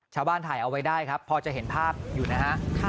ชาวบ้านถ่ายเอาไว้ได้ครับพอจะเห็นภาพอยู่นะฮะ